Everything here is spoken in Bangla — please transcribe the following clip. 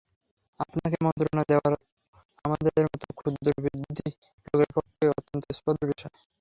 আপনাকে মন্ত্রণা দেওয়া আমাদের মতো ক্ষুদ্রবুদ্ধি লোকের পক্ষে অত্যন্ত স্পর্ধার বিষয়।